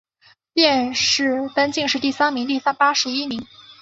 殿试登进士第三甲第八十一名。